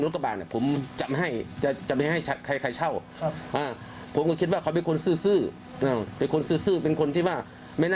คิดว่าเขามาคนเดียวก่อน